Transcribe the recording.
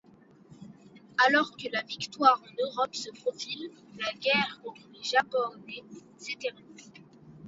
Alors que la victoire en Europe se profile, la guerre contre les Japonais s'éternise.